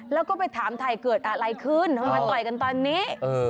แล้วก็ไปถามถ่ายเกิดอะไรขึ้นทำไมต่อยกันตอนนี้